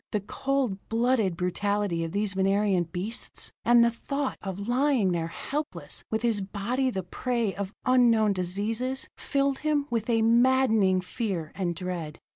The cold blooded brutality of these Venerian beasts, and the thought of lying there helpless with his body the prey of unknown diseases, filled him with a maddening fear and dread.